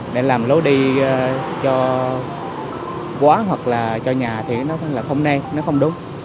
để làm lối đi cho quán hoặc là cho nhà thì nó không nên nó không đúng